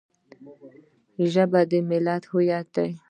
ژبه د ملت هویت دی